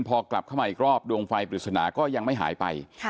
พอกลับเข้ามาอีกรอบดวงไฟปริศนาก็ยังไม่หายไป